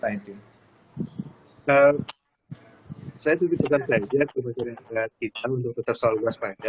saya juga sudah terima kebajian dari kita untuk tetap selalu beras pada